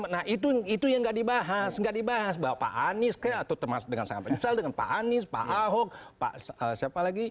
nah itu yang nggak dibahas nggak dibahas bahwa pak anies atau dengan sangat menyesal dengan pak anies pak ahok pak siapa lagi